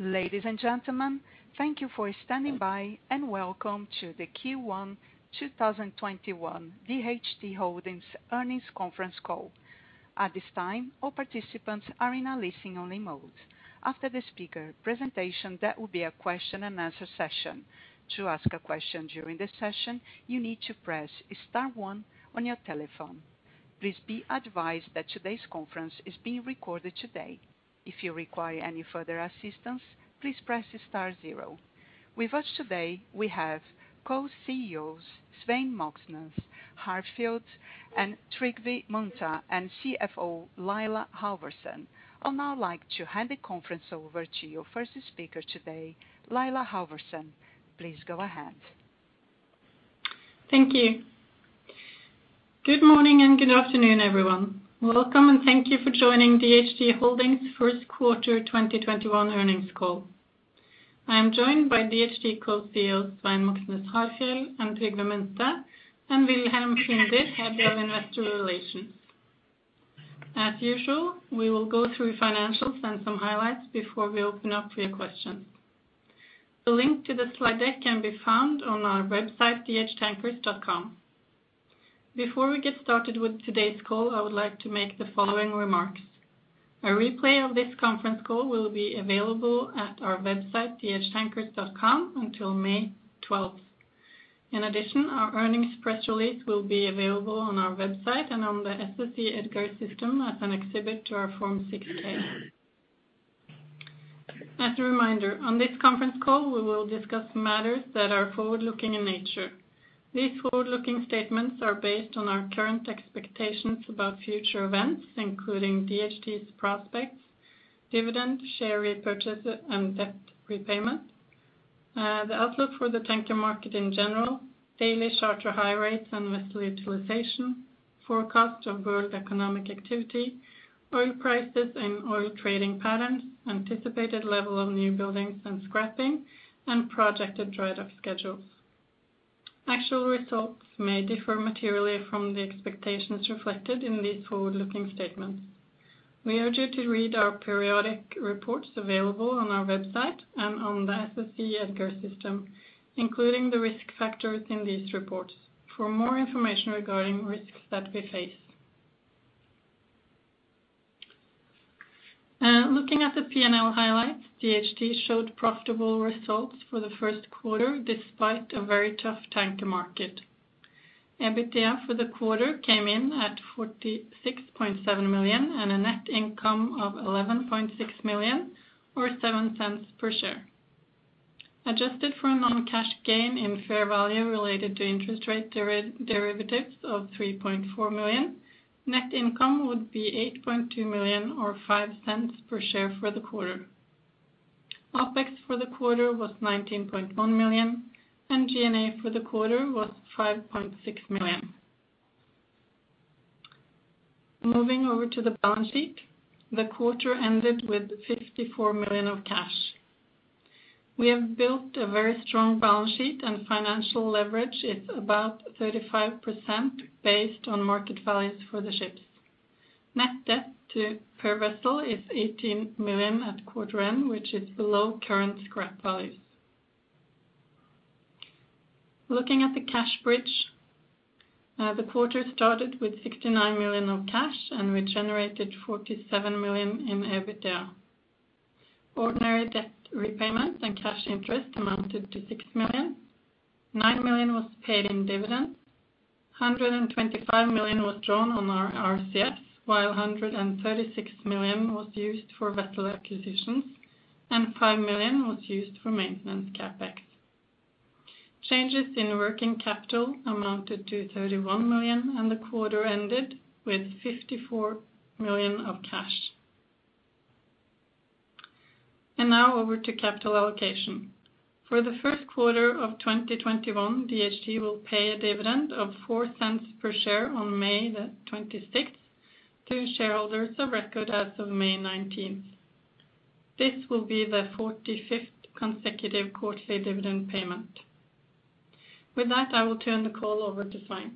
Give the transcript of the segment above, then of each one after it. Ladies and gentlemen, thank you for standing by, and welcome to the Q1 2021 DHT Holdings Earnings Conference Call. At this time, all participants are in a listen-only mode. After the speaker presentation, there will be a question-and-answer session. To ask a question you need to press star one on your telephone. If you need further assistance press star zero. You are reminded that this call being recorded. With us today, we have Co-Chief Executive Officers Svein Moxnes Harfjeld and Trygve Munthe, and Chief Financial Officer Laila Halvorsen. I'd now like to hand the conference over to your first speaker today, Laila Halvorsen. Please go ahead. Thank you. Good morning and good afternoon, everyone. Welcome, and thank you for joining DHT Holdings' first quarter 2021 earnings call. I am joined by DHT co-Chief Executive Officers Svein Moxnes Harfjeld and Trygve Munthe, and Wilhelm Finder, Head of Investor Relations. As usual, we will go through financials and some highlights before we open up for your questions. The link to the slide deck can be found on our website, dhtankers.com. Before we get started with today's call, I would like to make the following remarks. A replay of this conference call will be available at our website, dhtankers.com, until May 12. In addition, our earnings press release will be available on our website and on the SEC EDGAR system as an exhibit to our Form 6-K. As a reminder, on this conference call, we will discuss matters that are forward-looking in nature. These forward-looking statements are based on our current expectations about future events, including DHT's prospects, dividend, share repurchase, and debt repayment, the outlook for the tanker market in general, daily charter high rates and vessel utilization, forecast of world economic activity, oil prices and oil trading patterns, anticipated level of new buildings and scrapping, and projected dry dock schedules. Actual results may differ materially from the expectations reflected in these forward-looking statements. We urge you to read our periodic reports available on our website and on the SEC Edgar system, including the risk factors in these reports for more information regarding risks that we face. Looking at the P&L highlights, DHT showed profitable results for the first quarter, despite a very tough tanker market. EBITDA for the quarter came in at $46.7 million and a net income of $11.6 million, or $0.07 per share. Adjusted for a non-cash gain in fair value related to interest rate derivatives of $3.4 million, net income would be $8.2 million or $0.05 per share for the quarter. OPEX for the quarter was $19.1 million, and G&A for the quarter was $5.6 million. Moving over to the balance sheet, the quarter ended with $54 million of cash. We have built a very strong balance sheet and financial leverage is about 35% based on market values for the ships. Net debt per vessel is $18 million at quarter end, which is below current scrap values. Looking at the cash bridge, the quarter started with $69 million of cash, and we generated $47 million in EBITDA. Ordinary debt repayments and cash interest amounted to $6 million, $9 million was paid in dividends, $125 million was drawn on our RCF, while $136 million was used for vessel acquisitions, and $5 million was used for maintenance CapEx. Changes in working capital amounted to $31 million. The quarter ended with $54 million of cash. Now over to capital allocation. For the first quarter of 2021, DHT will pay a dividend of $0.04 per share on May 26th to shareholders of record as of May 19th. This will be the 45th consecutive quarterly dividend payment. With that, I will turn the call over to Svein.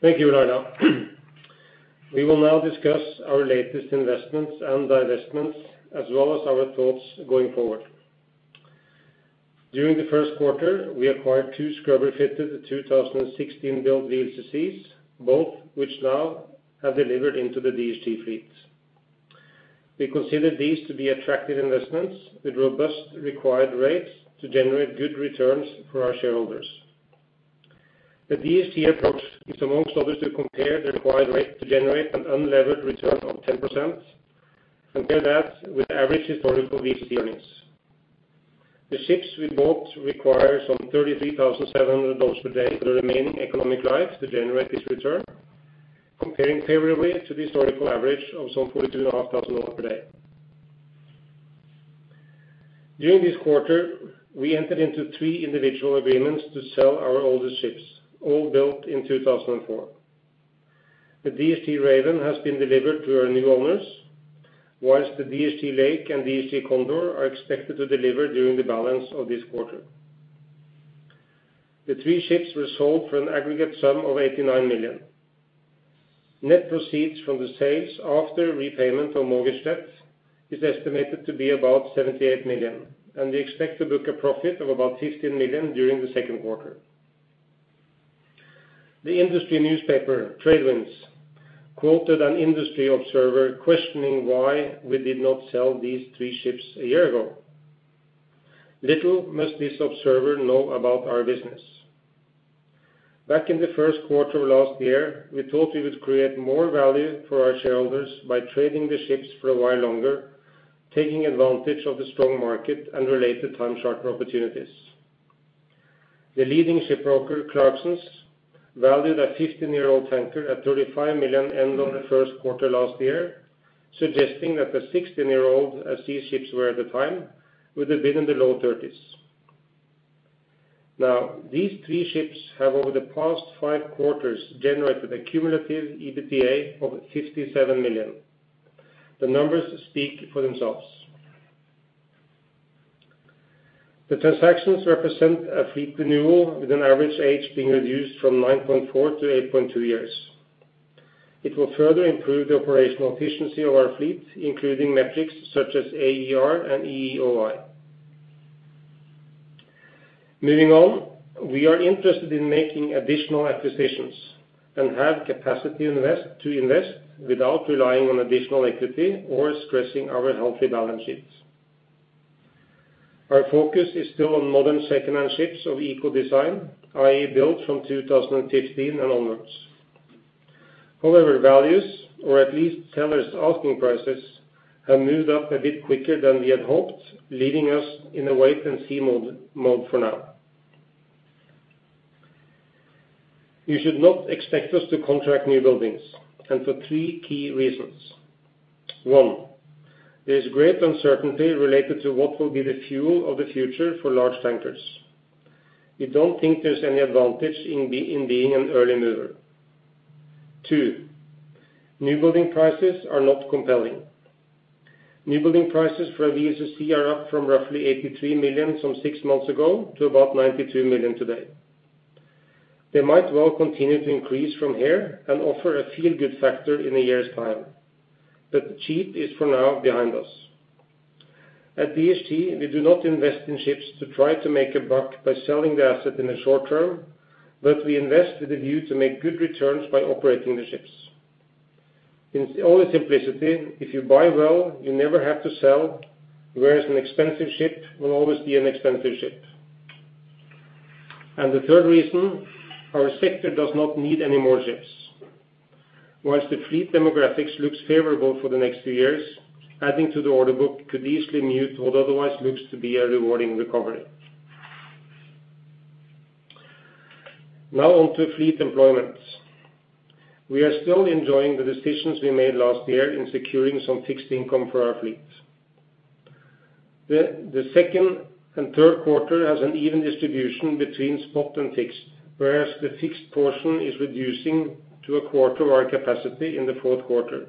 Thank you, Laila. We will now discuss our latest investments and divestments, as well as our thoughts going forward. During the first quarter, we acquired two scrubber-fitted 2016 built VLCCs, both which now have delivered into the DHT fleet. We consider these to be attractive investments with robust required rates to generate good returns for our shareholders. The DHT approach is, amongst others, to compare the required rate to generate an unlevered return of 10%. Compare that with average historical DHT earnings. The ships we bought require some $33,700 per day for the remaining economic life to generate this return, comparing favorably to the historical average of some $42,500 per day. During this quarter, we entered into three individual agreements to sell our oldest ships, all built in 2004. The DHT Raven has been delivered to our new owners, whilst the DHT Lake and DHT Condor are expected to deliver during the balance of this quarter. The three ships were sold for an aggregate sum of $89 million. Net proceeds from the sales after repayment of mortgage debt is estimated to be about $78 million, and we expect to book a profit of about $15 million during the second quarter. The industry newspaper, TradeWinds, quoted an industry observer questioning why we did not sell these three ships a year ago. Little must this observer know about our business. Back in the first quarter of last year, we thought we would create more value for our shareholders by trading the ships for a while longer, taking advantage of the strong market and related time charter opportunities. The leading shipbroker, Clarksons, valued a 15-year-old tanker at $35 million end of the first quarter last year, suggesting that the 16-year-old, as these ships were at the time, would have been in the low $30s million. Now, these three ships have, over the past five quarters, generated a cumulative EBITDA of $57 million. The numbers speak for themselves. The transactions represent a fleet renewal with an average age being reduced from 9.4 to 8.2 years. It will further improve the operational efficiency of our fleet, including metrics such as AER and EEOI. Moving on, we are interested in making additional acquisitions and have capacity to invest without relying on additional equity or stressing our healthy balance sheets. Our focus is still on modern secondhand ships of eco design, i.e. built from 2015 and onwards. Values or at least sellers' asking prices have moved up a bit quicker than we had hoped, leaving us in a wait and see mode for now. You should not expect us to contract new buildings, for three key reasons. One, there is great uncertainty related to what will be the fuel of the future for large tankers. We don't think there's any advantage in being an early mover. Two, newbuilding prices are not compelling. Newbuilding prices for a VLCC are up from roughly $83 million some six months ago to about $92 million today. They might well continue to increase from here and offer a feel good factor in a year's time. The cheap is, for now, behind us. At DHT, we do not invest in ships to try to make a buck by selling the asset in the short term, but we invest with a view to make good returns by operating the ships. In all its simplicity, if you buy well, you never have to sell, whereas an expensive ship will always be an expensive ship. The third reason, our sector does not need any more ships. Whilst the fleet demographics looks favorable for the next few years, adding to the order book could easily mute what otherwise looks to be a rewarding recovery. Now on to fleet employment. We are still enjoying the decisions we made last year in securing some fixed income for our fleet. The second and third quarter has an even distribution between spot and fixed, whereas the fixed portion is reducing to a quarter of our capacity in the fourth quarter.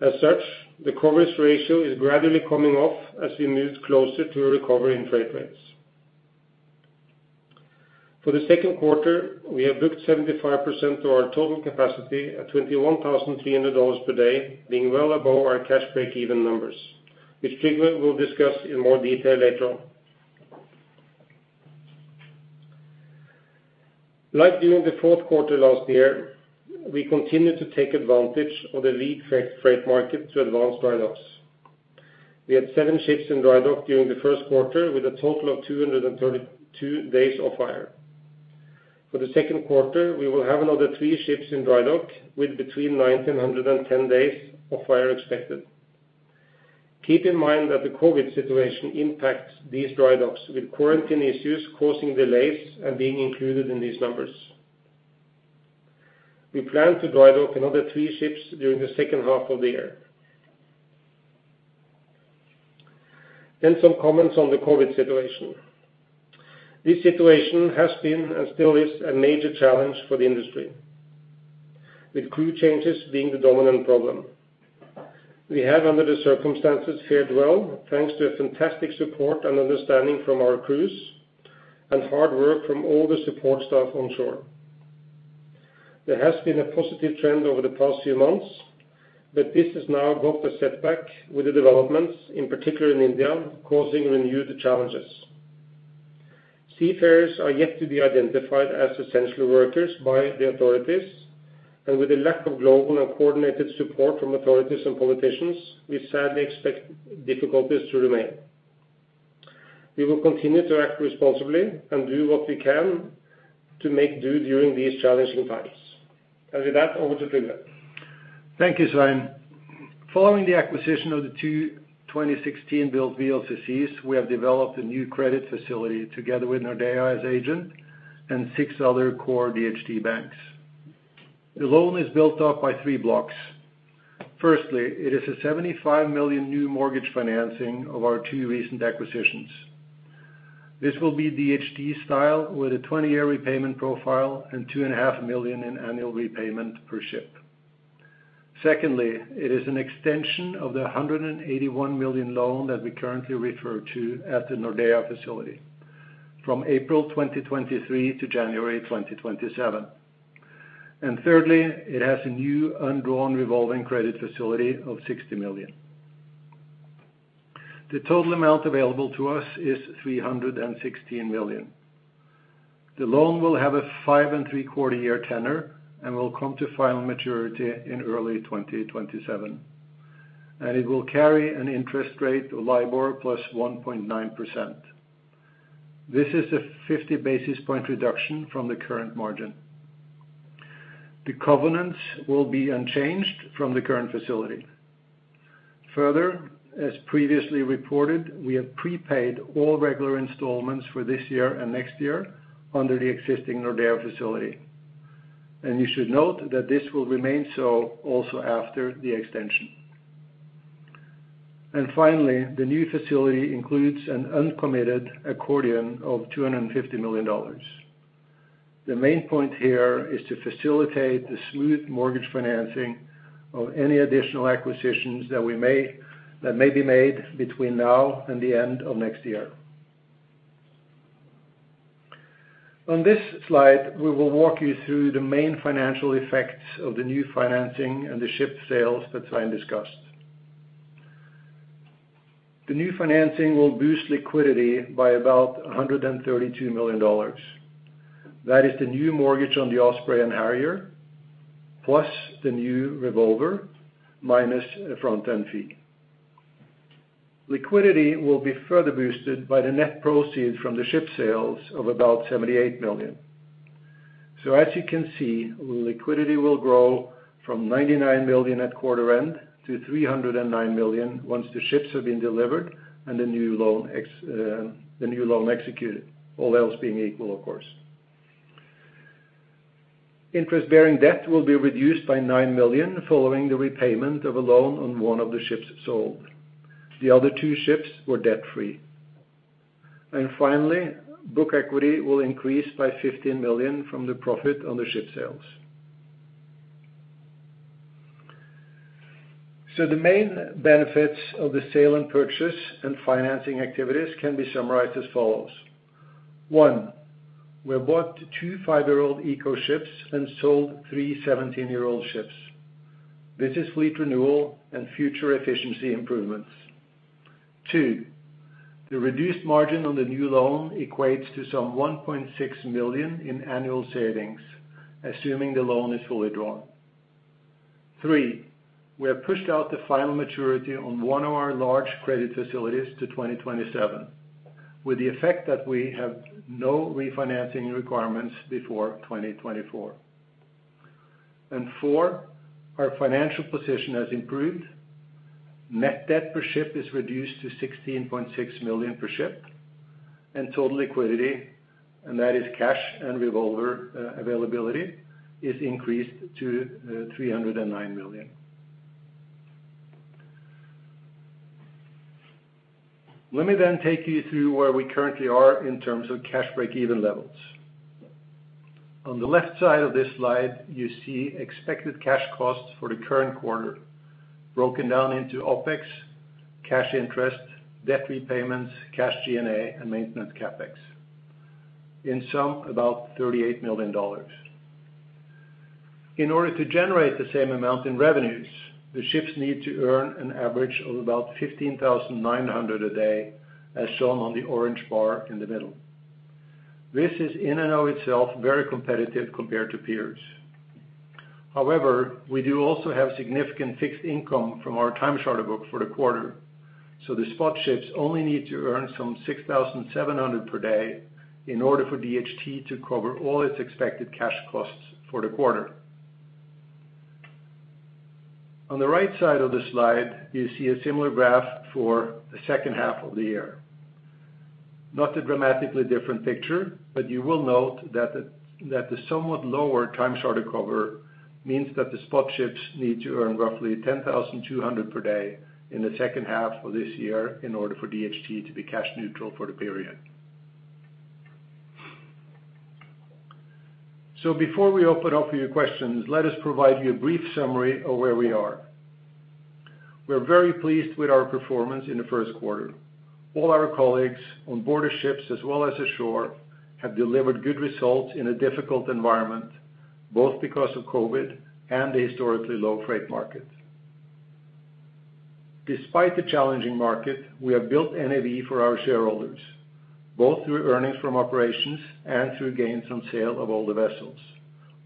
As such, the coverage ratio is gradually coming off as we move closer to a recovery in freight rates. For the second quarter, we have booked 75% of our total capacity at $21,300 per day, being well above our cash break even numbers, which Trygve will discuss in more detail later on. Like during the fourth quarter last year, we continued to take advantage of the lead freight market to advance dry docks. We had seven ships in dry dock during the first quarter with a total of 232 days off-hire. For the second quarter, we will have another three ships in dry dock with between 910 and 110 days off-hire expected. Keep in mind that the COVID situation impacts these dry docks, with quarantine issues causing delays and being included in these numbers. We plan to dry dock another three ships during the second half of the year. Some comments on the COVID situation. This situation has been, and still is, a major challenge for the industry, with crew changes being the dominant problem. We have, under the circumstances, fared well thanks to a fantastic support and understanding from our crews and hard work from all the support staff onshore. There has been a positive trend over the past few months, but this has now got a setback with the developments in particular in India, causing renewed challenges. Seafarers are yet to be identified as essential workers by the authorities, and with a lack of global and coordinated support from authorities and politicians, we sadly expect difficulties to remain. We will continue to act responsibly and do what we can to make do during these challenging times. With that, over to Trygve. Thank you, Svein. Following the acquisition of the two 2016-built VLCCs, we have developed a new credit facility together with Nordea as agent and six other core DHT banks. The loan is built up by three blocks. Firstly, it is a $75 million new mortgage financing of our two recent acquisitions. This will be DHT style with a 20-year repayment profile and $2.5 million in annual repayment per ship. Secondly, it is an extension of the $181 million loan that we currently refer to as the Nordea facility from April 2023 to January 2027. Thirdly, it has a new undrawn revolving credit facility of $60 million. The total amount available to us is $316 million. The loan will have a five and three-quarter year tenor and will come to final maturity in early 2027, and it will carry an interest rate of LIBOR +1.9%. This is a 50 basis point reduction from the current margin. The covenants will be unchanged from the current facility. Further, as previously reported, we have prepaid all regular installments for this year and next year under the existing Nordea facility. You should note that this will remain so also after the extension. Finally, the new facility includes an uncommitted accordion of $250 million. The main point here is to facilitate the smooth mortgage financing of any additional acquisitions that may be made between now and the end of next year. On this slide, we will walk you through the main financial effects of the new financing and the ship sales that Svein discussed. The new financing will boost liquidity by about $132 million. That is the new mortgage on the Osprey and Harrier, plus the new revolver, minus a front-end fee. Liquidity will be further boosted by the net proceed from the ship sales of about $78 million. As you can see, liquidity will grow from $99 million at quarter end to $309 million once the ships have been delivered and the new loan executed, all else being equal, of course. Interest-bearing debt will be reduced by $9 million following the repayment of a loan on one of the ships sold. The other two ships were debt-free. Finally, book equity will increase by $15 million from the profit on the ship sales. The main benefits of the sale and purchase and financing activities can be summarized as follows. One, we bought two five-year-old eco ships and sold three 17-year-old ships. This is fleet renewal and future efficiency improvements. Two, the reduced margin on the new loan equates to some $1.6 million in annual savings, assuming the loan is fully drawn. Three, we have pushed out the final maturity on one of our large credit facilities to 2027, with the effect that we have no refinancing requirements before 2024. Four, our financial position has improved. Net debt per ship is reduced to $16.6 million per ship, and total liquidity, and that is cash and revolver availability, is increased to $309 million. Let me then take you through where we currently are in terms of cash break-even levels. On the left side of this slide, you see expected cash costs for the current quarter, broken down into OPEX, cash interest, debt repayments, cash G&A, and maintenance CapEx. In sum, about $38 million. In order to generate the same amount in revenues, the ships need to earn an average of about $15,900 a day, as shown on the orange bar in the middle. This is in and of itself very competitive compared to peers. We do also have significant fixed income from our time charter book for the quarter, so the spot ships only need to earn some $6,700 per day in order for DHT to cover all its expected cash costs for the quarter. On the right side of the slide, you see a similar graph for the second half of the year. Not a dramatically different picture, you will note that the somewhat lower time charter cover means that the spot ships need to earn roughly $10,200 per day in the second half of this year in order for DHT to be cash neutral for the period. Before we open up for your questions, let us provide you a brief summary of where we are. We are very pleased with our performance in the first quarter. All our colleagues on board our ships as well as ashore have delivered good results in a difficult environment, both because of COVID and the historically low freight market. Despite the challenging market, we have built NAV for our shareholders, both through earnings from operations and through gains from sale of older vessels,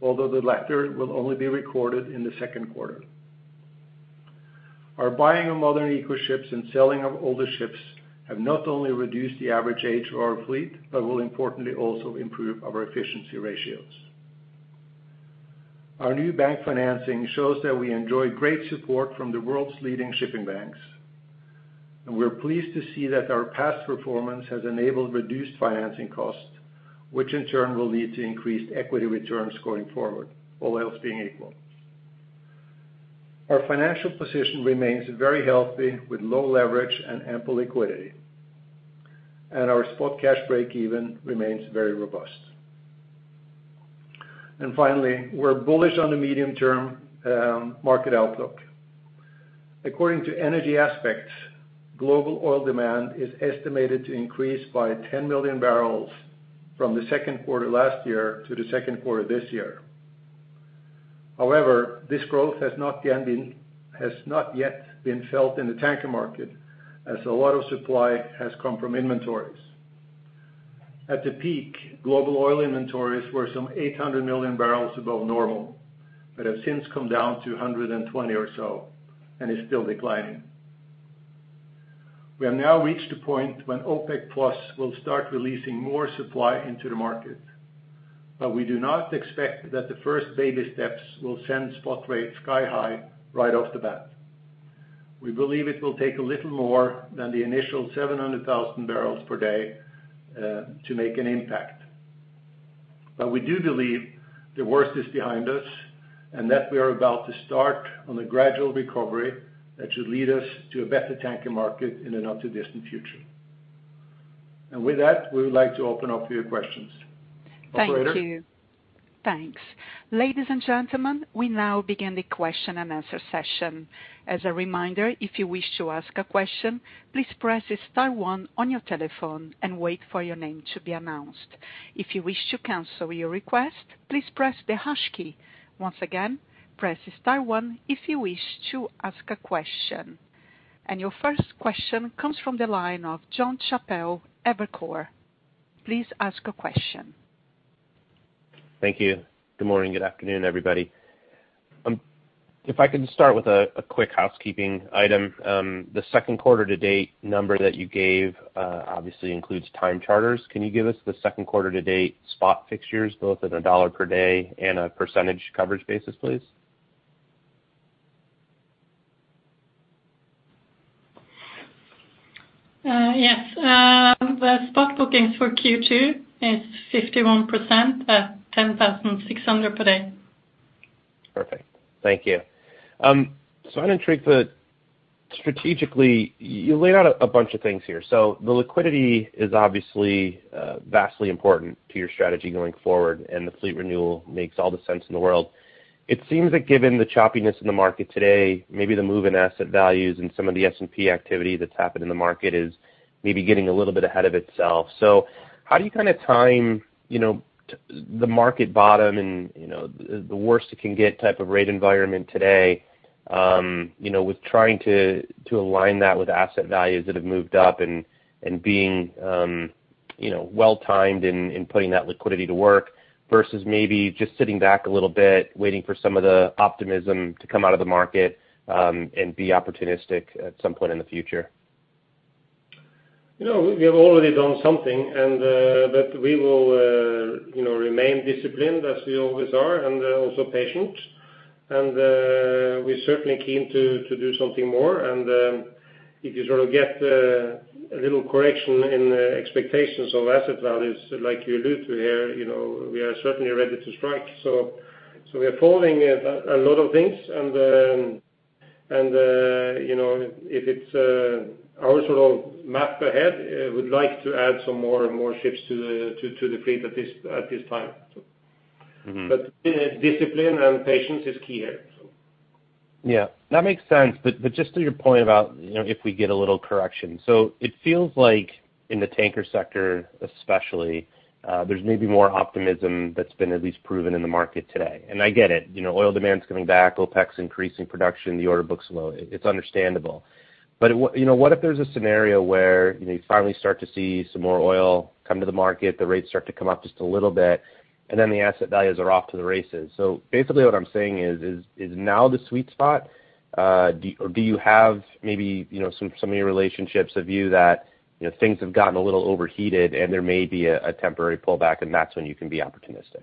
although the latter will only be recorded in the second quarter. Our buying of modern eco ships and selling of older ships have not only reduced the average age of our fleet, but will importantly also improve our efficiency ratios. Our new bank financing shows that we enjoy great support from the world's leading shipping banks, and we are pleased to see that our past performance has enabled reduced financing costs, which in turn will lead to increased equity returns going forward, all else being equal. Our financial position remains very healthy, with low leverage and ample liquidity. Our spot cash breakeven remains very robust. Finally, we're bullish on the medium-term market outlook. According to Energy Aspects, global oil demand is estimated to increase by 10 million bbl from the second quarter last year to the second quarter this year. This growth has not yet been felt in the tanker market, as a lot of supply has come from inventories. At the peak, global oil inventories were some 800 million barrels above normal, but have since come down to 120 or so, and is still declining. We have now reached a point when OPEC+ will start releasing more supply into the market. We do not expect that the first baby steps will send spot rates sky high right off the bat. We believe it will take a little more than the initial 700,000 bblpd to make an impact. We do believe the worst is behind us, and that we are about to start on a gradual recovery that should lead us to a better tanker market in a not too distant future. With that, we would like to open up for your questions. Thank you. Operator? Thanks. Ladies and gentlemen, we now begin the question-and-answer session. As a reminder, if you wish to ask a question, please press star one on your telephone and wait for your name to be announced. If you wish to cancel your request, please press the hash key. Once again, press star one if you wish to ask a question. Your first question comes from the line of Jon Chappell, Evercore, please ask your question. Thank you. Good morning, good afternoon everybody? If I can start with a quick housekeeping item. The second quarter to date number that you gave, obviously, includes time charters. Can you give us the second quarter to date spot fixtures, both in a dollar per day and a percentage coverage basis, please? Yes. The spot bookings for Q2 is 51% at $10,600 per day. Perfect. Thank you. I'm intrigued that strategically, you laid out a bunch of things here. The liquidity is obviously vastly important to your strategy going forward, and the fleet renewal makes all the sense in the world. It seems that given the choppiness in the market today, maybe the move in asset values and some of the S&P activity that's happened in the market is maybe getting a little bit ahead of itself. How do you kind of time the market bottom and the worst it can get type of rate environment today with trying to align that with asset values that have moved up and being well-timed in putting that liquidity to work, versus maybe just sitting back a little bit, waiting for some of the optimism to come out of the market, and be opportunistic at some point in the future? We have already done something, that we will remain disciplined as we always are, and also patient. We're certainly keen to do something more. If you sort of get a little correction in expectations of asset values like you allude to here, we are certainly ready to strike. We are following a lot of things and if it's our sort of map ahead, we'd like to add some more and more ships to the fleet at this time. Discipline and patience is key here. That makes sense. Just to your point about if we get a little correction. It feels like in the tanker sector especially, there's maybe more optimism that's been at least proven in the market today. I get it, oil demand is coming back, OPEC's increasing production, the order book's low. It's understandable. What if there's a scenario where you finally start to see some more oil come to the market, the rates start to come up just a little bit, and then the asset values are off to the races. Basically what I'm saying is now the sweet spot? Do you have maybe some of your relationships, a view that things have gotten a little overheated and there may be a temporary pullback and that's when you can be opportunistic?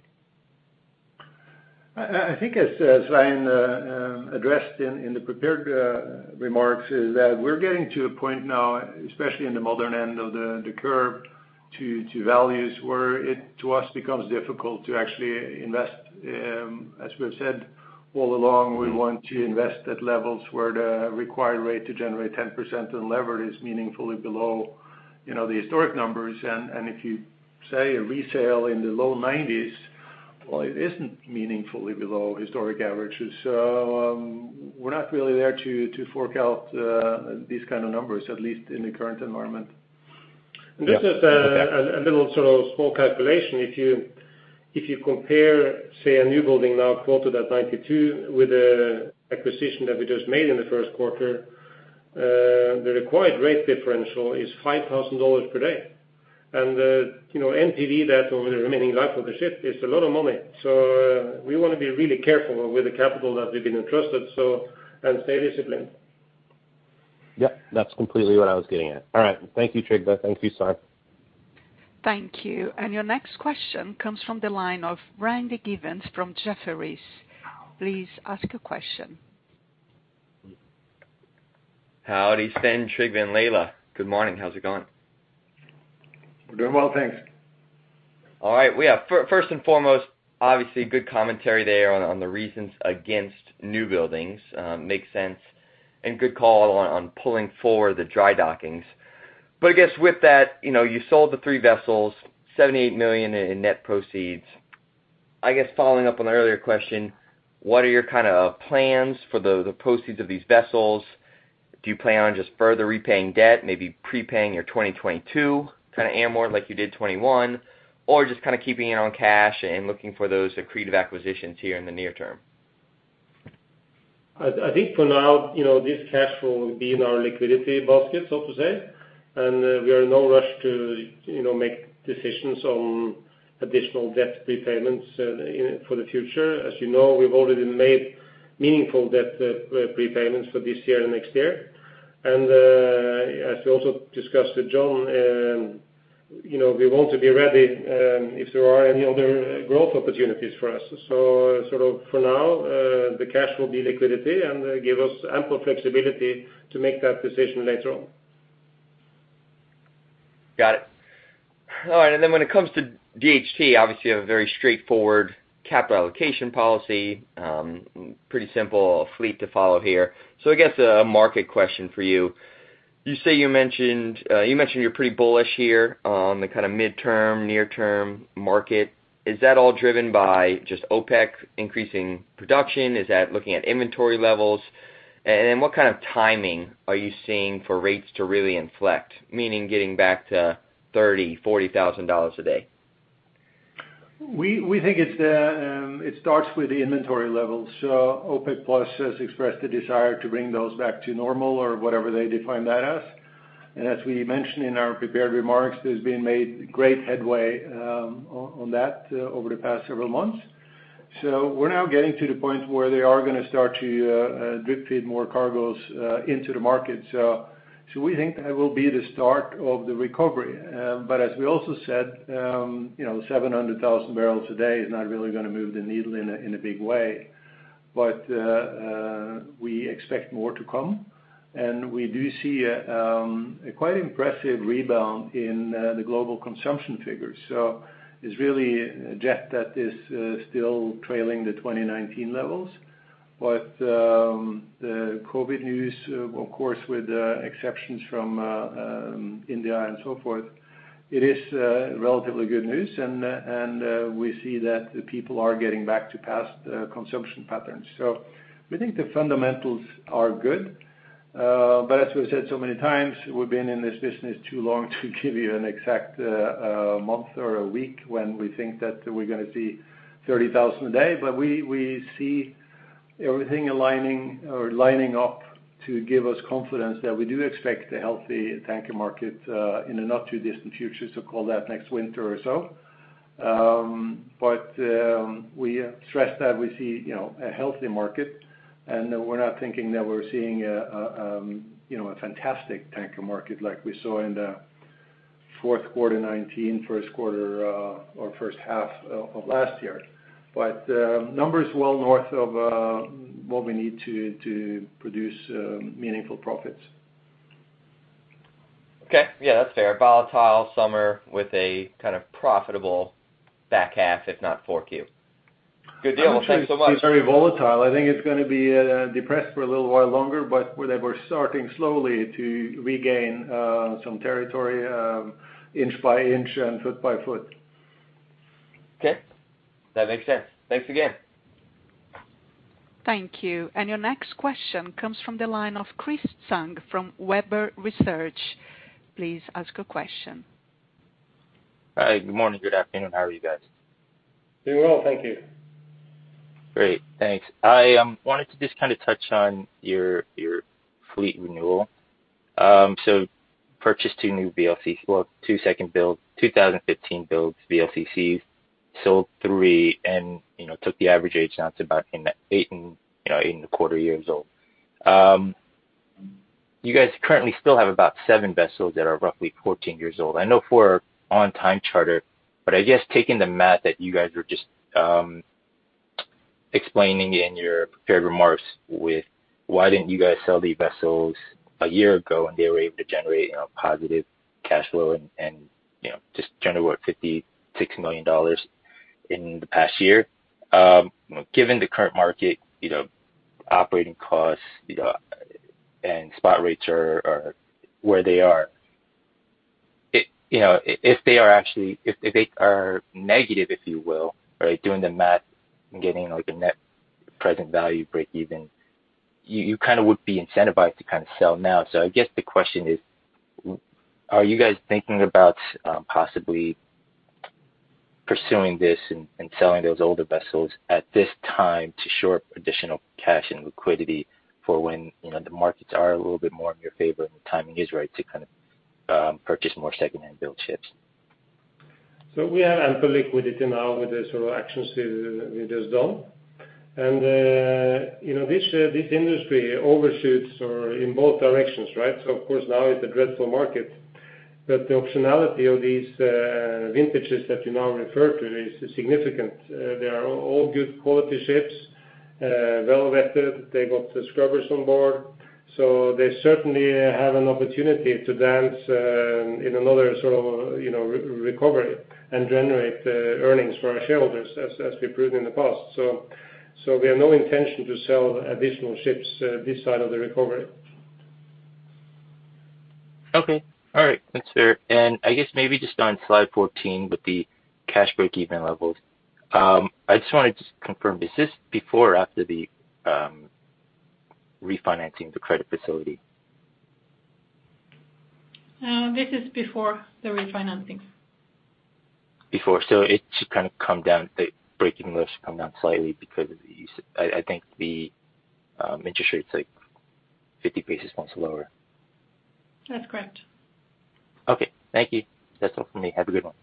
I think as Svein addressed in the prepared remarks, is that we're getting to a point now, especially in the modern end of the curve, to values where it, to us, becomes difficult to actually invest. As we've said all along, we want to invest at levels where the required rate to generate 10% on lever is meaningfully below the historic numbers. If you say a resale in the low 90s, well, it isn't meaningfully below historic averages. We're not really there to fork out these kind of numbers, at least in the current environment. Yeah. Okay. Just as a little sort of small calculation, if you compare, say, a new building now quoted at $92 with the acquisition that we just made in the first quarter, the required rate differential is $5,000 per day. The NPV that over the remaining life of the ship is a lot of money. We want to be really careful with the capital that we've been entrusted and stay disciplined. Yep, that's completely what I was getting at. All right. Thank you, Trygve. Thank you, Svein. Thank you. Your next question comes from the line of Randy Giveans from Jefferies, please ask a question. [Wilhelm], Svein, Trygve, and Laila. Good morning? How's it going? We're doing well, thanks. All right. First and foremost, obviously good commentary there on the reasons against new buildings. Makes sense, and good call on pulling forward the dry dockings. I guess with that, you sold the three vessels, $78 million in net proceeds. I guess following up on an earlier question, what are your plans for the proceeds of these vessels? Do you plan on just further repaying debt, maybe prepaying your 2022, kind of amort like you did 2021? Just kind of keeping it on cash and looking for those accretive acquisitions here in the near term? I think for now, this cash flow will be in our liquidity basket, so to say, and we are in no rush to make decisions on additional debt prepayments for the future. As you know, we've already made meaningful debt prepayments for this year and next year. As we also discussed with Jon, we want to be ready if there are any other growth opportunities for us. For now, the cash will be liquidity and give us ample flexibility to make that decision later on. Got it. All right. When it comes to DHT, obviously you have a very straightforward capital allocation policy, pretty simple fleet to follow here. I guess a market question for you. You mentioned you're pretty bullish here on the kind of midterm, near term market. Is that all driven by just OPEC increasing production? Is that looking at inventory levels? What kind of timing are you seeing for rates to really inflect, meaning getting back to $30,000, $40,000 a day? We think it starts with the inventory levels. OPEC+ has expressed the desire to bring those back to normal or whatever they define that as. As we mentioned in our prepared remarks, there's been made great headway on that over the past several months. We're now getting to the point where they are going to start to drip feed more cargoes into the market. We think that will be the start of the recovery. As we also said, 700,000 bbl a day is not really going to move the needle in a big way. We expect more to come, and we do see a quite impressive rebound in the global consumption figures. It's really jet that is still trailing the 2019 levels. The COVID news, of course, with exceptions from India and so forth, it is relatively good news, and we see that the people are getting back to past consumption patterns. We think the fundamentals are good. As we've said so many times, we've been in this business too long to give you an exact month or a week when we think that we're going to see $30,000 a day. We see everything aligning or lining up to give us confidence that we do expect a healthy tanker market in the not too distant future, so call that next winter or so. We stress that we see a healthy market, and we're not thinking that we're seeing a fantastic tanker market like we saw in the fourth quarter 2019, first quarter or first half of last year. Numbers well north of what we need to produce meaningful profits. Okay. Yeah, that's fair. Volatile summer with a kind of profitable back half, if not 4Q. Good deal. Well, thanks so much. I wouldn't say it's very volatile. I think it's going to be depressed for a little while longer, but where they were starting slowly to regain some territory inch by inch and foot by foot. Okay. That makes sense. Thanks again. Thank you. Your next question comes from the line of Chris Tsung from Webber Research, please ask your question. Hi, good morning. Good afternoon? How are you guys? Doing well. Thank you. Great. Thanks. I wanted to just kind of touch on your fleet renewal. Purchased two new VLCCs, well, two 2015 build VLCCs, sold three and took the average age now to about eight and a quarter years old. You guys currently still have about seven vessels that are roughly 14 years old. I know four are on time charter, but I guess taking the math that you guys were just explaining in your prepared remarks with why didn't you guys sell the vessels a year ago and they were able to generate positive cash flow and just generate, what, $56 million in the past year? Given the current market, operating costs and spot rates are where they are. If they are negative, if you will, right, doing the math and getting like a net present value breakeven, you kind of would be incentivized to kind of sell now. I guess the question is, are you guys thinking about possibly pursuing this and selling those older vessels at this time to shore up additional cash and liquidity for when the markets are a little bit more in your favor and the timing is right to kind of purchase more secondhand build ships? We have ample liquidity now with the sort of actions we just done. This industry overshoots in both directions, right? Of course now it's a dreadful market, but the optionality of these vintages that you now refer to is significant. They are all good quality ships, well vetted. They got the scrubbers on board. They certainly have an opportunity to dance in another sort of recovery and generate earnings for our shareholders as we've proven in the past. We have no intention to sell additional ships this side of the recovery. Okay. All right. Thanks, Svein. I guess maybe just on slide 14 with the cash break-even levels, I just wanted to confirm, is this before or after the refinancing of the credit facility? This is before the refinancing. Before. It should kind of come down, the breaking level should come down slightly because of, I think the interest rate's like 50 basis points lower. That's correct. Okay. Thank you. That's all for me. Have a good one.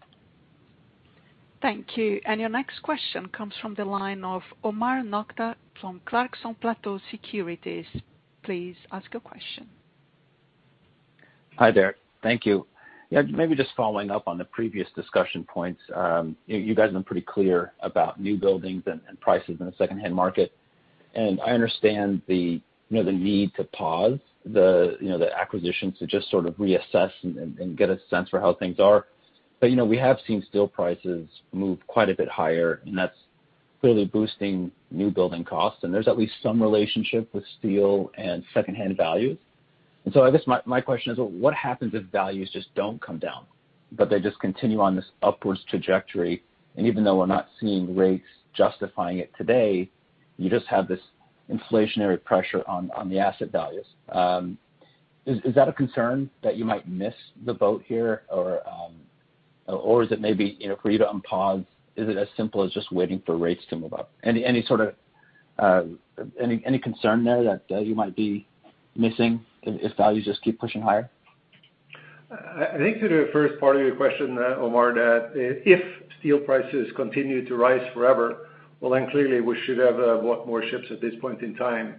Thank you. Your next question comes from the line of Omar Nokta from Clarksons Platou Securities, please ask your question. Hi there? Thank you. Yeah, maybe just following up on the previous discussion points. You guys have been pretty clear about new buildings and prices in the secondhand market. I understand the need to pause the acquisitions to just sort of reassess and get a sense for how things are. We have seen steel prices move quite a bit higher, and that's clearly boosting new building costs, and there's at least some relationship with steel and secondhand values. I guess my question is, what happens if values just don't come down, but they just continue on this upwards trajectory, and even though we're not seeing rates justifying it today, you just have this inflationary pressure on the asset values. Is that a concern that you might miss the boat here? Is it maybe, for you to unpause, is it as simple as just waiting for rates to move up? Any concern there that you might be missing if values just keep pushing higher? I think to the first part of your question, Omar, that if steel prices continue to rise forever, well, then clearly we should have bought more ships at this point in time.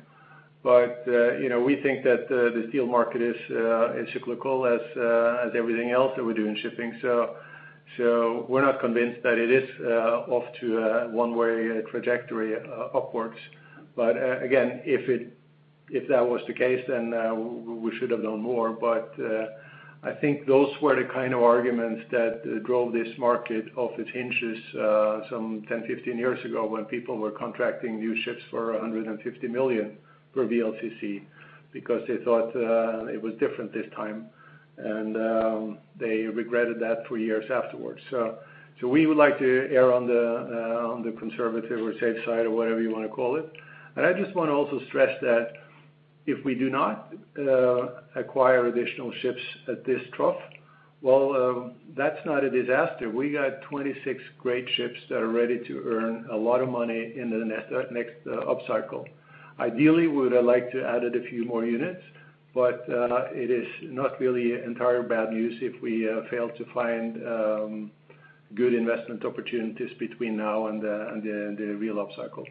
We think that the steel market is cyclical as everything else that we do in shipping. We're not convinced that it is off to a one-way trajectory upwards. Again, if that was the case, then we should have done more. I think those were the kind of arguments that drove this market off its hinges some 10 years, 15 years ago, when people were contracting new ships for $150 million for VLCC because they thought it was different this time. They regretted that for years afterwards. We would like to err on the conservative or safe side or whatever you want to call it. I just want to also stress that if we do not acquire additional ships at this trough, well, that's not a disaster. We got 26 great ships that are ready to earn a lot of money in the next upcycle. Ideally, would I like to added a few more units, but it is not really entire bad news if we fail to find good investment opportunities between now and the real upcycle.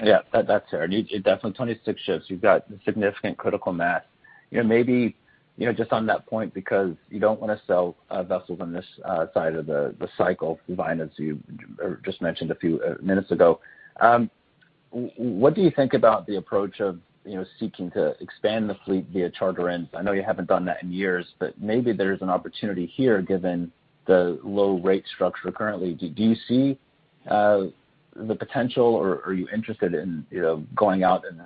Yeah, that's fair. Definitely 26 ships, you've got significant critical mass. Maybe just on that point, you don't want to sell vessels on this side of the cycle, given as you just mentioned a few minutes ago. What do you think about the approach of seeking to expand the fleet via charter in? I know you haven't done that in years, maybe there's an opportunity here given the low rate structure currently. Do you see the potential, or are you interested in going out and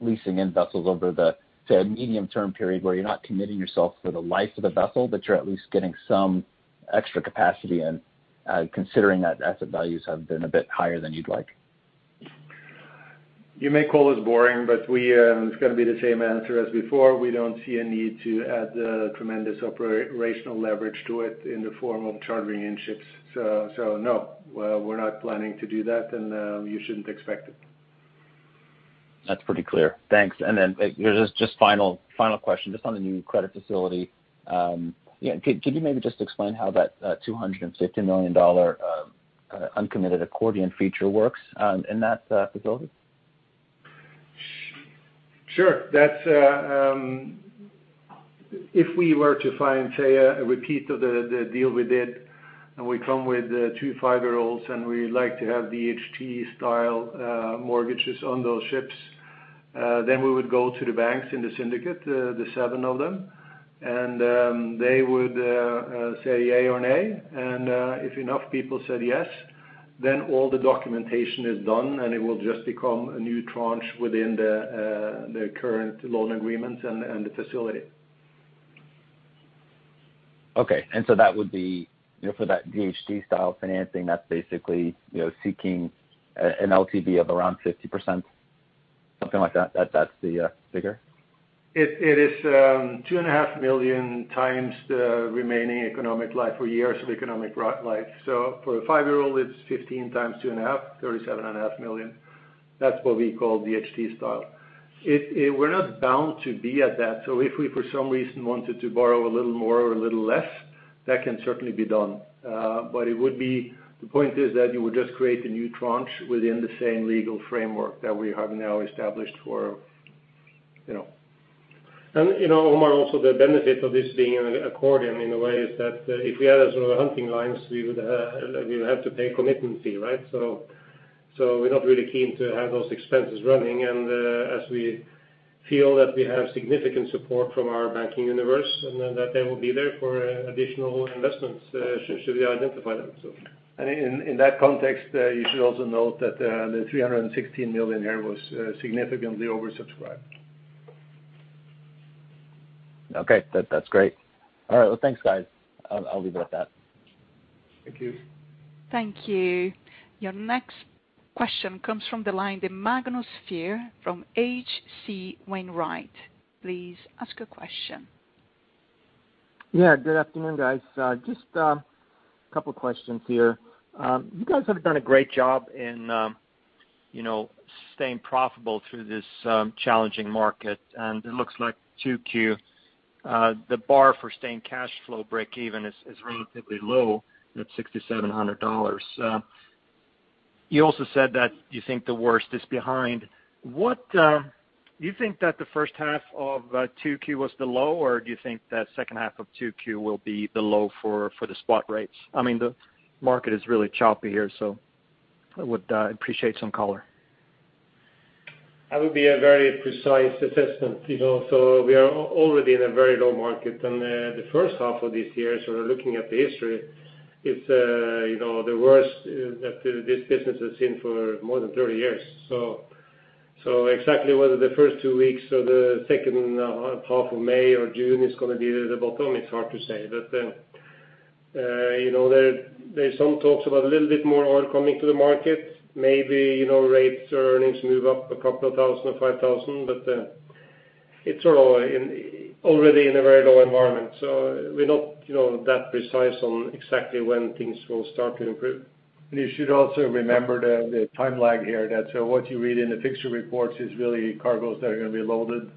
leasing in vessels over the, say, medium term period where you're not committing yourself for the life of a vessel, but you're at least getting some extra capacity in considering that asset values have been a bit higher than you'd like? You may call this boring, it's going to be the same answer as before. We don't see a need to add tremendous operational leverage to it in the form of chartering in ships. No, we're not planning to do that, and you shouldn't expect it. That's pretty clear. Thanks. Then just final question, just on the new credit facility. Could you maybe just explain how that $250 million uncommitted accordion feature works in that facility? Sure. If we were to find, say, a repeat of the deal we did, and we come with two five-year-olds, and we like to have DHT style mortgages on those ships, we would go to the banks in the syndicate, the seven of them, and they would say yay or nay. If enough people said yes, then all the documentation is done, and it will just become a new tranche within the current loan agreement and the facility. Okay. That would be for that DHT style financing, that's basically seeking an LTV of around 50%, something like that. That's the figure? It is $2.5 million times the remaining economic life or years of economic life. For a five-year-old, it's 15 X 2.5, $37.5 million. That's what we call DHT style. We're not bound to be at that. If we, for some reason, wanted to borrow a little more or a little less, that can certainly be done. The point is that you would just create a new tranche within the same legal framework that we have now established for. Omar, also the benefit of this being an accordion in a way is that if we had hunting lines, we would have to pay commitment fee, right? We're not really keen to have those expenses running, and as we feel that we have significant support from our banking universe, and that they will be there for additional investments should we identify them. In that context, you should also note that the $316 million here was significantly oversubscribed. Okay. That's great. All right. Well, thanks, guys. I'll leave it at that. Thank you. Thank you. Your next question comes from the line, the Magnus Fyhr from H.C. Wainwright, please ask a question. Yeah, good afternoon guys? Just a couple of questions here. You guys have done a great job in staying profitable through this challenging market, and it looks like 2Q, the bar for staying cash flow breakeven is relatively low at $6,700. You also said that you think the worst is behind. Do you think that the first half of 2Q was the low, or do you think that second half of 2Q will be the low for the spot rates? I mean, the market is really choppy here, so I would appreciate some color. That would be a very precise assessment. We are already in a very low market, and the first half of this year, sort of looking at the history, it's the worst that this business has seen for more than 30 years. Exactly whether the first two weeks or the second half of May or June is going to be the bottom, it's hard to say. There's some talks about a little bit more oil coming to the market. Maybe rates or earnings move up $2,000 or $5,000, but it's already in a very low environment, so we're not that precise on exactly when things will start to improve. You should also remember the time lag here, that what you read in the fixture reports is really cargoes that are going to be loaded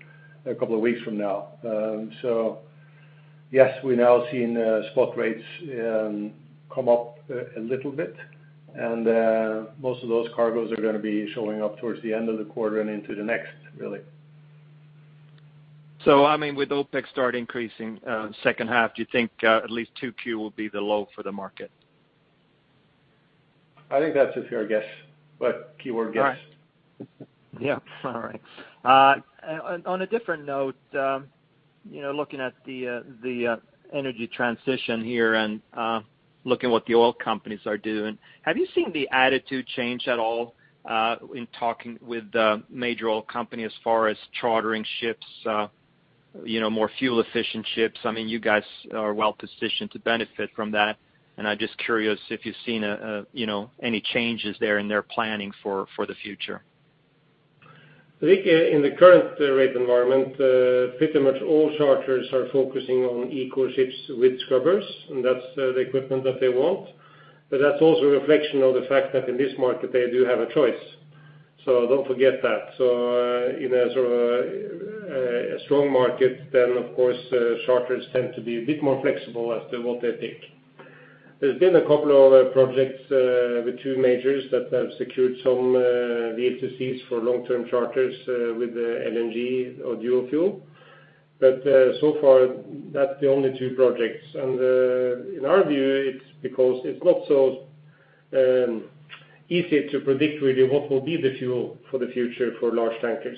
a couple of weeks from now. Yes, we now seen spot rates come up a little bit, and most of those cargoes are going to be showing up towards the end of the quarter and into the next, really. I mean, with OPEC start increasing second half, do you think at least 2Q will be the low for the market? I think that's a fair guess. Keyword guess. Right. Yeah. All right. On a different note, looking at the energy transition here and looking what the oil companies are doing, have you seen the attitude change at all in talking with the major oil company as far as chartering ships, more fuel efficient ships? I mean, you guys are well-positioned to benefit from that, and I'm just curious if you've seen any changes there in their planning for the future. I think in the current rate environment, pretty much all charters are focusing on eco ships with scrubbers, and that's the equipment that they want. That's also a reflection of the fact that in this market they do have a choice. Don't forget that. In a sort of a strong market, then, of course, charters tend to be a bit more flexible as to what they take. There's been a couple of projects with two majors that have secured some VLCCs for long-term charters with LNG or dual fuel. So far, that's the only two projects. In our view, it's because it's not so easy to predict really what will be the fuel for the future for large tankers.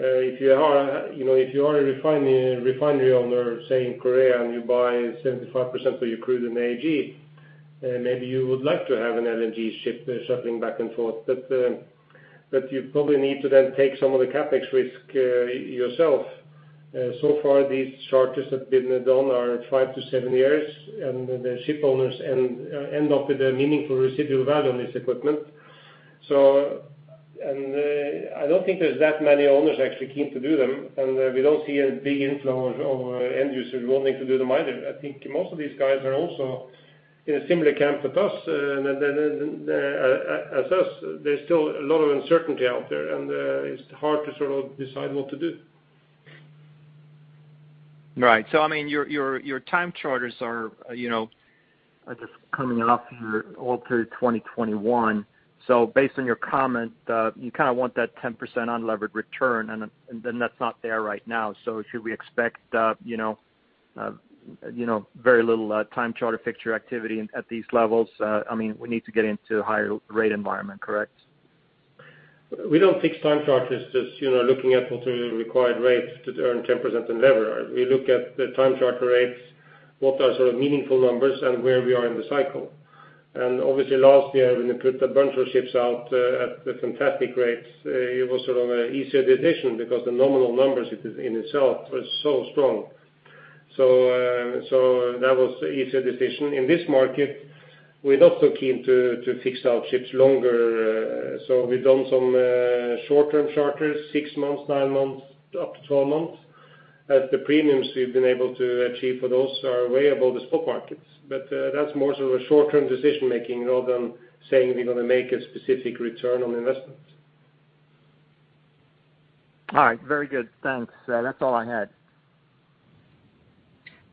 If you are a refinery owner, say in Korea, and you buy 75% of your crude in AG, maybe you would like to have an LNG ship shuttling back and forth. You probably need to then take some of the CapEx risk yourself. So far these charters that have been done are five to seven years, and the ship owners end up with a meaningful residual value on this equipment. I don't think there's that many owners actually keen to do them, and we don't see a big inflow of end users wanting to do them either. I think most of these guys are also in a similar camp as us. There's still a lot of uncertainty out there, and it's hard to sort of decide what to do. Right. I mean, your time charters are just coming up here all through 2021. Based on your comment, you kind of want that 10% unlevered return, and then that's not there right now. Should we expect very little time charter fixture activity at these levels? We need to get into a higher rate environment, correct? We don't fix time charters just looking at what are the required rates to earn 10% unlevered. We look at the time charter rates, what are sort of meaningful numbers, and where we are in the cycle. Obviously last year, when we put a bunch of ships out at the fantastic rates, it was sort of an easier decision because the nominal numbers in itself were so strong. That was the easier decision. In this market, we're not so keen to fix our ships longer. We've done some short-term charters, six months, nine months, up to 12 months, as the premiums we've been able to achieve for those are way above the spot markets. That's more sort of a short-term decision making rather than saying we're going to make a specific return on investments. All right. Very good. Thanks. That's all I had.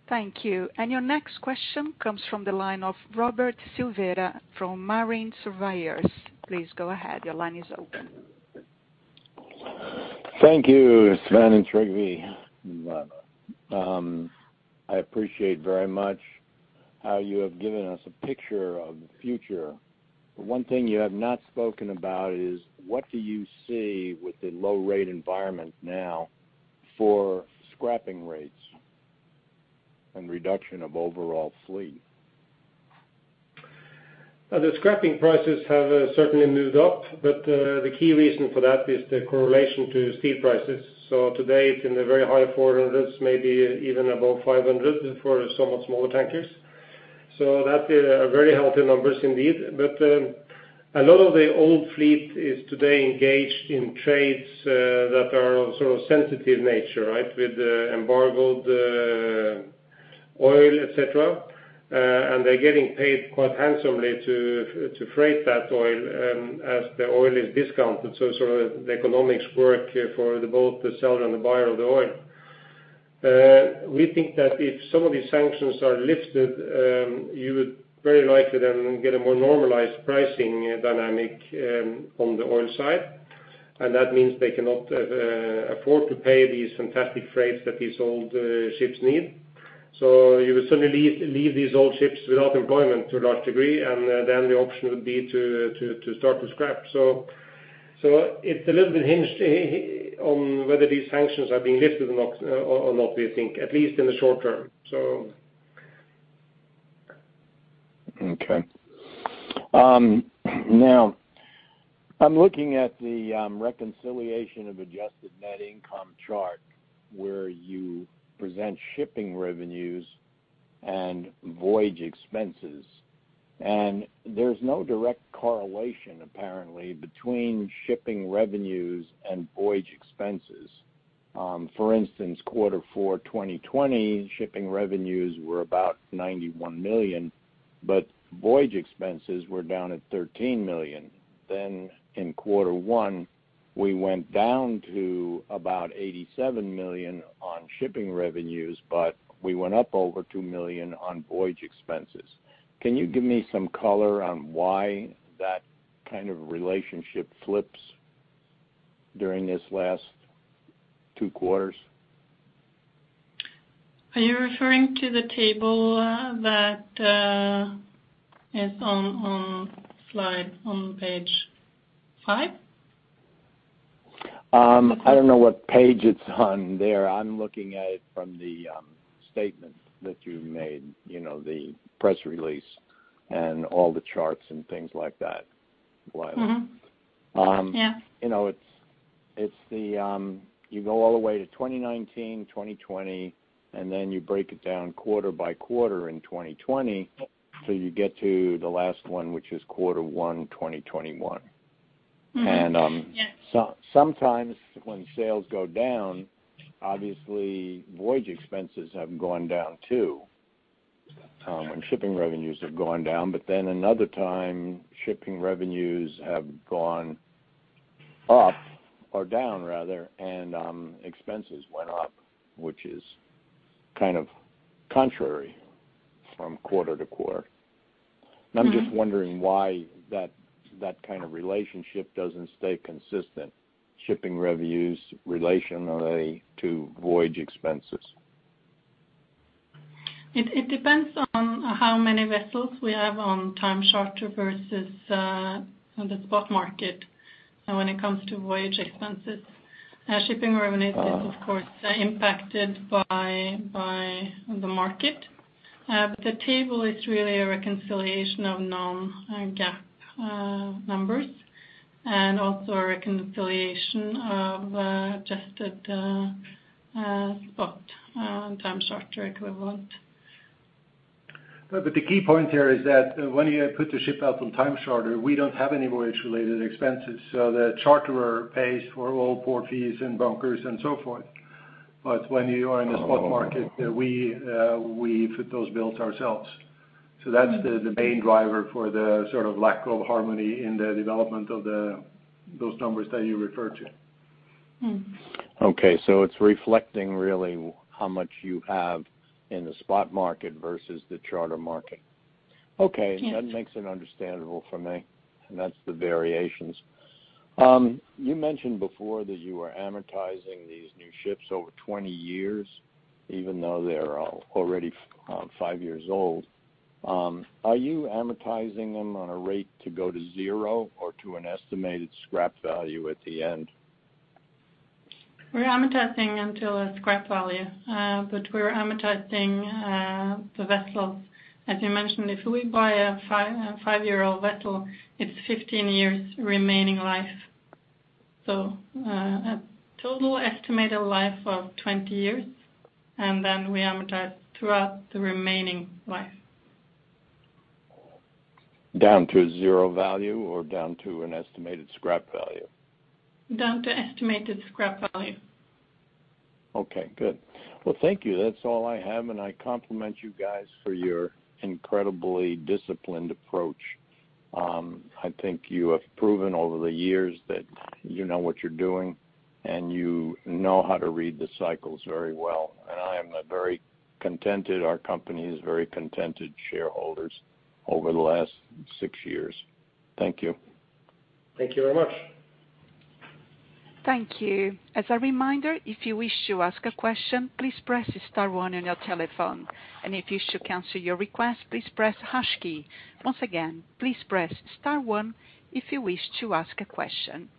Thank you. Your next question comes from the line of Robert Silvera from Marine Surveyors. Please go ahead, your line is open. Thank you, Svein and Trygve. I appreciate very much how you have given us a picture of the future. One thing you have not spoken about is what do you see with the low rate environment now for scrapping rates and reduction of overall fleet? The scrapping prices have certainly moved up, but the key reason for that is the correlation to steel prices. Today, it's in the very high $400s, maybe even above $500 for somewhat smaller tankers. That are very healthy numbers indeed. But a lot of the old fleet is today engaged in trades that are of sensitive nature, right? With embargoed oil, et cetera, and they're getting paid quite handsomely to freight that oil as the oil is discounted. Sort of the economics work here for both the seller and the buyer of the oil. We think that if some of these sanctions are lifted, you would very likely then get a more normalized pricing dynamic on the oil side. That means they cannot afford to pay these fantastic freights that these old ships need. You would suddenly leave these old ships without employment to a large degree, and then the option would be to start to scrap. It's a little bit hinged on whether these sanctions are being lifted or not, we think, at least in the short term. Okay. Now, I'm looking at the reconciliation of adjusted net income chart, where you present shipping revenues and voyage expenses. There's no direct correlation, apparently, between shipping revenues and voyage expenses. For instance, quarter four 2020, shipping revenues were about $91 million, but voyage expenses were down at $13 million. In quarter one, we went down to about $87 million on shipping revenues, but we went up over $2 million on voyage expenses. Can you give me some color on why that kind of relationship flips during this last two quarters? Are you referring to the table that is on page five? I don't know what page it's on there. I'm looking at it from the statement that you made, the press release and all the charts and things like that, Laila. Mm-hmm. Yeah. You go all the way to 2019, 2020, and then you break it down quarter by quarter in 2020 till you get to the last one, which is quarter one 2021. Mm-hmm. Yeah. Sometimes when sales go down, obviously, voyage expenses have gone down, too, when shipping revenues have gone down. Another time, shipping revenues have gone up, or down rather, and expenses went up, which is kind of contrary from quarter-to-quarter. I'm just wondering why that kind of relationship doesn't stay consistent, shipping revenues relationally to voyage expenses. It depends on how many vessels we have on time charter versus on the spot market when it comes to voyage expenses. Shipping revenues is, of course, impacted by the market. But the table is really a reconciliation of non-GAAP numbers, and also a reconciliation of adjusted spot and time charter equivalent. The key point here is that when you put the ship out on time charter, we don't have any voyage related expenses, so the charterer pays for all port fees and bunkers and so forth. When you are in the spot market, we foot those bills ourselves. That's the main driver for the sort of lack of harmony in the development of those numbers that you refer to. Okay, it's reflecting really how much you have in the spot market versus the charter market. Okay. Yeah. That makes it understandable for me, and that's the variations. You mentioned before that you are amortizing these new ships over 20 years, even though they are already five years old. Are you amortizing them on a rate to go to zero or to an estimated scrap value at the end? We are amortizing until a scrap value, but we are amortizing the vessels. As you mentioned, if we buy a five-year-old vessel, it's 15 years remaining life. A total estimated life of 20 years, and then we amortize throughout the remaining life. Down to a zero value or down to an estimated scrap value? Down to estimated scrap value. Okay, good. Well, thank you. That's all I have, and I compliment you guys for your incredibly disciplined approach. I think you have proven over the years that you know what you're doing, and you know how to read the cycles very well. I am very contented, our company is very contented shareholders over the last six years. Thank you. Thank you very much. Thank you. As a reminder, if you wish to ask a question, please press star one on your telephone. If you wish to cancel your request, please press hash key. Once again, please press star one if you wish to ask a question.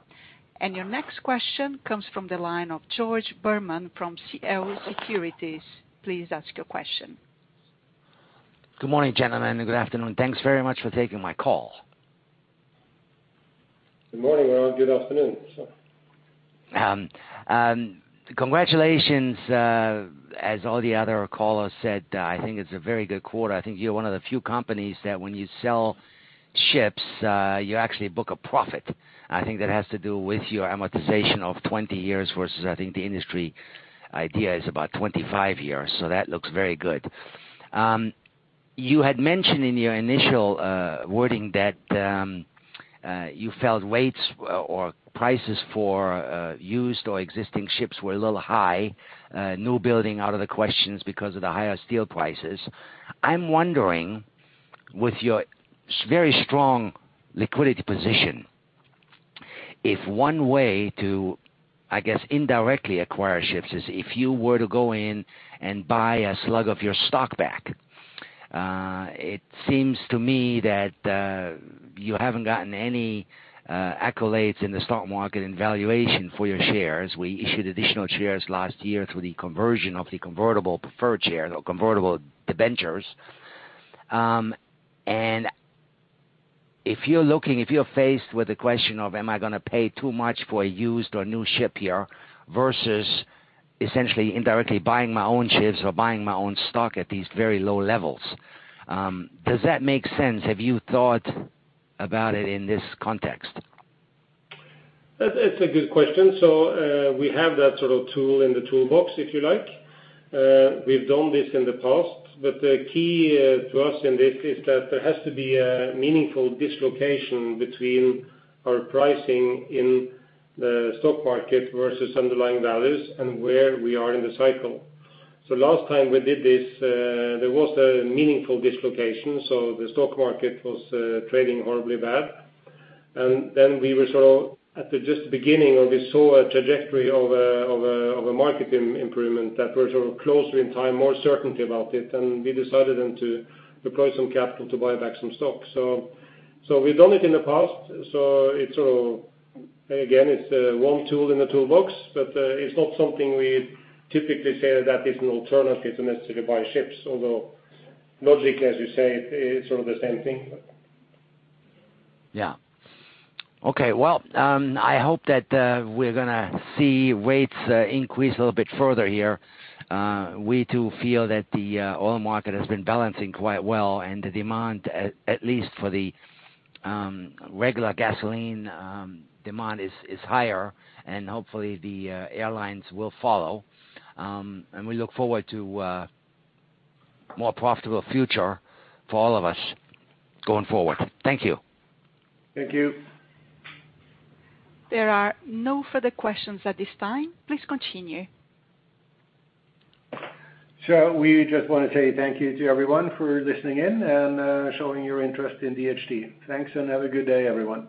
Your next question comes from the line of George Berman from CL Securities, please ask your question. Good morning, gentlemen, and good afternoon? Thanks very much for taking my call. Good morning, or good afternoon. What's up? Congratulations. As all the other callers said, I think it's a very good quarter. I think you're one of the few companies that when you sell ships, you actually book a profit. I think that has to do with your amortization of 20 years versus, I think the industry idea is about 25 years, so that looks very good. You had mentioned in your initial wording that you felt weights or prices for used or existing ships were a little high, new building out of the question because of the higher steel prices. I'm wondering, with your very strong liquidity position, if one way to, I guess, indirectly acquire ships is if you were to go in and buy a slug of your stock back. It seems to me that you haven't gotten any accolades in the stock market and valuation for your shares. We issued additional shares last year through the conversion of the convertible preferred share or convertible debentures. If you're faced with the question of, am I going to pay too much for a used or new ship here, versus essentially indirectly buying my own ships or buying my own stock at these very low levels. Does that make sense? Have you thought about it in this context? That's a good question. We have that sort of tool in the toolbox, if you like. We've done this in the past, but the key to us in this is that there has to be a meaningful dislocation between our pricing in the stock market versus underlying values and where we are in the cycle. Last time we did this, there was a meaningful dislocation, so the stock market was trading horribly bad. Then we were sort of at the just beginning of, we saw a trajectory of a market improvement that was closer in time, more certainty about it, and we decided then to deploy some capital to buy back some stock. We've done it in the past. It's sort of, again, it's one tool in the toolbox, but it's not something we typically say that is an alternative to necessarily buy ships, although logic, as you say, it's sort of the same thing. Yeah. Okay. Well, I hope that we're going to see rates increase a little bit further here. We too feel that the oil market has been balancing quite well, and the demand, at least for the regular gasoline demand is higher, and hopefully the airlines will follow. We look forward to a more profitable future for all of us going forward. Thank you. Thank you. There are no further questions at this time. Please continue. We just want to say thank you to everyone for listening in and showing your interest in DHT. Thanks, and have a good day, everyone.